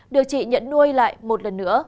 được chị nhận nuôi lại một lần nữa